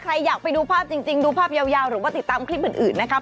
อยากไปดูภาพจริงดูภาพยาวหรือว่าติดตามคลิปอื่นนะครับ